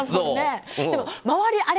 でも、周り